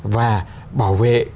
và bảo vệ